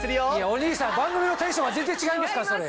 お兄さん番組のテンションが全然違いますからそれ。